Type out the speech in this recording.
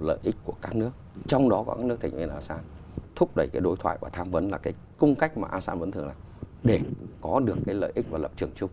lợi ích của các nước trong đó có các nước thành viên asean thúc đẩy cái đối thoại và tham vấn là cái cung cách mà asean vẫn thường làm để có được cái lợi ích và lập trường chung